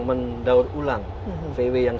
mendaur ulang vw yang